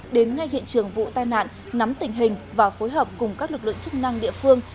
đến ngay hiện trường vụ tai nạn nắm tình hình và phối hợp cùng các lực lượng chức năng địa phương